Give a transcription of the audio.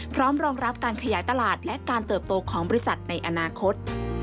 รองรับการขยายตลาดและการเติบโตของบริษัทในอนาคต